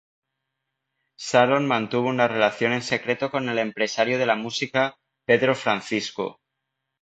Sharon mantuvo una relación en secreto con el empresario de la música Pedro Francisco.